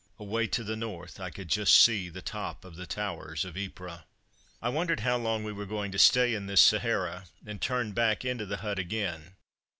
Away to the north, I could just see the top of the towers of Ypres. I wondered how long we were going to stay in this Sahara, and turned back into the hut again.